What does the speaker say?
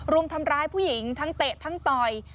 รุมทำร้ายผู้หญิงทั้งเตะทั้งต่อย